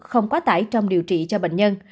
không quá tải trong điều trị cho bệnh nhân